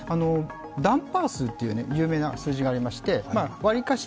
ダンパー数という有名な数字がありましてわりかし